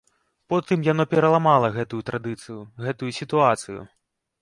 Потым яно пераламала гэтую традыцыю, гэтую сітуацыю.